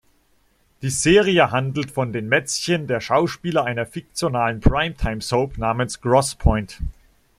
Die Serie handelt von den Mätzchen der Schauspieler einer fiktionalen Prime-Time-Soap namens "Grosse Pointe".